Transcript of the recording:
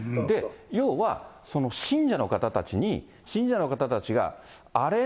要はその信者の方たちに、信者の方たちが、あれ？